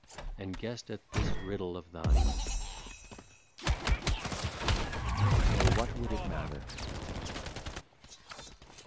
And guessed at this riddle of thine. 132 OH ! WHAT WOULD IT MATTER ? Oh !